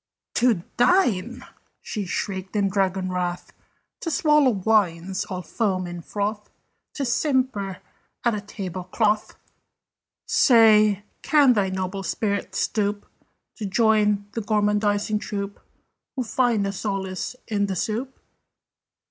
"To dine!" she shrieked in dragon wrath. "To swallow wines all foam and froth! To simper at a table cloth! "Say, can thy noble spirit stoop To join the gormandising troop Who find a solace in the soup?